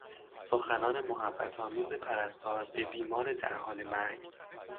سخنان محبت آمیز پرستار به بیمار در حال مرگ